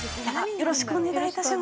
よろしくお願いします。